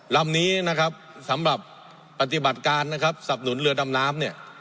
ลำนี้นะครับสำหรับปฏิบัติการนะครับสับหนุนเรือดำน้ำเนี่ย